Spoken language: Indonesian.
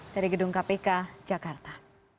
dari gedung kpk jakarta